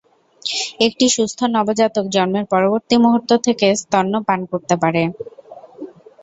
একটি সুস্থ নবজাতক জন্মের পরবর্তী মুহূর্ত থেকে স্তন্য পান করতে পারে।